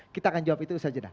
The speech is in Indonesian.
kita akan jawab itu saja dah